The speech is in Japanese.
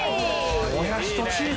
もやしとチーズ。